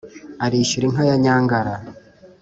arishyura inka ya nyangara.